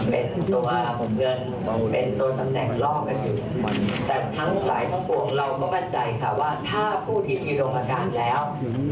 เป็นตัวของเงินเป็นตัวตำแหน่งรอบกันอยู่แต่ทั้งหลายทั้งปวงเราก็มั่นใจค่ะว่าถ้าผู้ที่อุดมการแล้ว